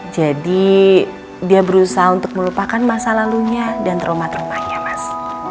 jadi dia berusaha untuk melupakan masa lalunya dan trauma traumanya mas